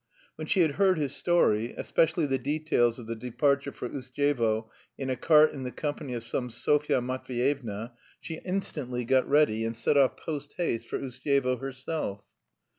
When she had heard his story, especially the details of the departure for Ustyevo in a cart in the company of some Sofya Matveyevna, she instantly got ready and set off post haste for Ustyevo herself.